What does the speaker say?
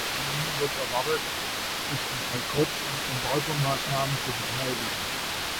Von ihnen wird erwartet, sich an Boykott- und Embargomaßnahmen zu beteiligen.